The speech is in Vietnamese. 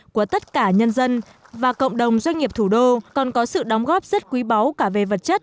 của tất cả nhân dân và cộng đồng doanh nghiệp thủ đô còn có sự đóng góp rất quý báu cả về vật chất